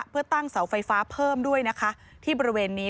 เพื่อตั้งเสาไฟฟ้าเพิ่มด้วยนะคะที่บริเวณนี้